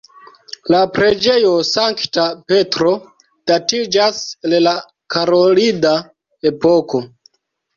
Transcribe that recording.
La preĝejo Sankta Petro datiĝas el la karolida epoko.